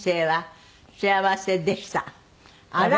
あら！